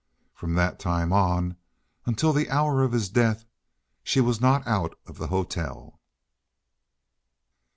From that time on until the hour of his death she was not out of the hotel.